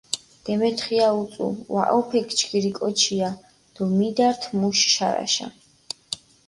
დემეთხია უწუ, ვაჸოფექ ჯგირი კოჩია დო მიდართჷ მუშ შარაშა.